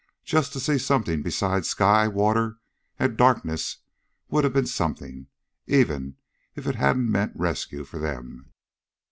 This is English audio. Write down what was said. Just to see something besides sky, water, and darkness would have been something, even if it hadn't meant rescue for them.